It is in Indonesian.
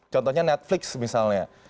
contohnya netflix misalnya